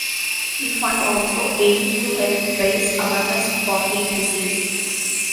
The fund also aims to help raise awareness for the disease.